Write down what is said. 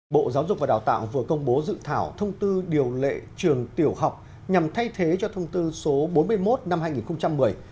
bộ giáo dục và đào tạo vừa công bố dự thảo thông tư điều lệ trường tiểu học nhằm thay thế cho thông tư số bốn mươi một năm hai nghìn một mươi